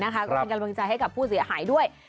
ก็เป็นกำลังใจให้กับผู้เสียหายด้วย